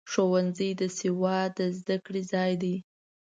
ښوونځی د سواد د زده کړې ځای دی.